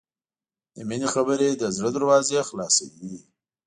د مینې خبرې د زړه دروازې خلاصوي.